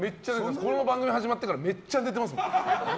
この番組始まってからめっちゃ寝てますよ。